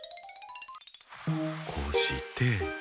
こうして。